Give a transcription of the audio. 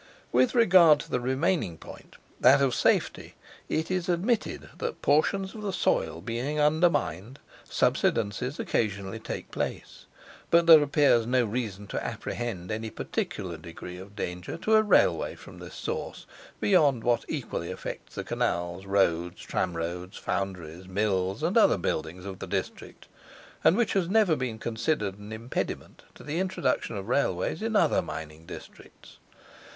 With regard to the remaining point, that of safety, it is admitted that portions of the soil being undermined, subsidences occasionally take place; but there appears no reason to apprehend any peculiar degree of danger to a Railway from this source, beyond what equally affects the Canals, Roads, Tramroads, Founderies, Mills, and other buildings of the district, and which has never been considered an impediment to the introduction of Railways in other mining districts.